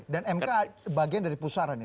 dan mk bagian dari pusara ini